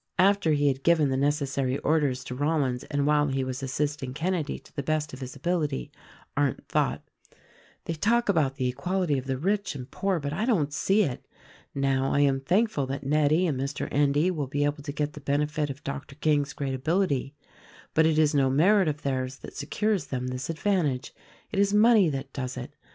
After he had given the necessary orders to Rollins and while he was assisting Kenedy to the best of his ability, Arndt thought, "They talk about the equality of the rich and poor; but I don't see it. Now, I am thankful that Nettie and Mr. Endy will be able to get the benefit of Doc tor King's great ability; but it is no merit of theirs that secures them this advantage. It is money that does it.